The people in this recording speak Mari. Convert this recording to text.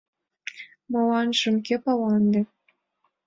— Моланжым кӧ пала ынде...